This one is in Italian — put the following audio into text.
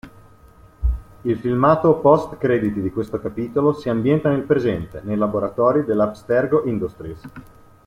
Il filmato post-crediti di questo capitolo si ambienta nel presente, nei laboratori dell'Abstergo Industries.